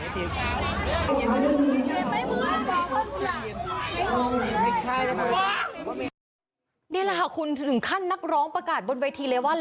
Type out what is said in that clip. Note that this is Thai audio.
ไม่ใช่แล้วเมื่อนี่แหละคุณถึงขั้นนักร้องประกาศบนเวทีเลยว่า